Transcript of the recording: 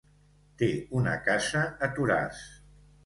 Té una casa a Toràs.